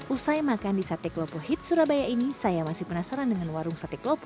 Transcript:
usai makan di sate klopo hit surabaya ini saya masih penasaran dengan warung sate klopo